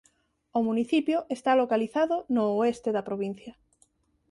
O municipio está localizado no oeste da provincia.